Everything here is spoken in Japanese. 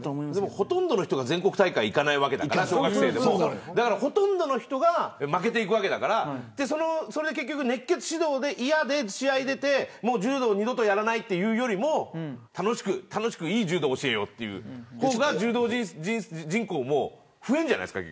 ほとんどの人が全国大会にいくわけじゃないからほとんどの人が負けていくわけだから熱血指導で嫌で試合に出て柔道二度とやらないというよりも楽しく、いい柔道を教えようという方が柔道人口も増えるんじゃないですかね。